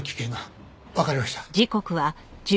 わかりました。